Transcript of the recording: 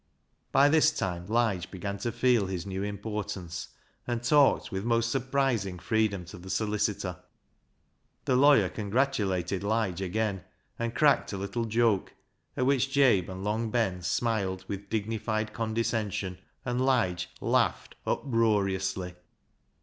By this time Lige began to feel his new importance, and talked with most surprising freedom to the solicitor. The law}'er con gratulated Lige again, and cracked a little joke, at which Jabe and Long Ben smiled with dignified condescension, and Lige laughed uproariously.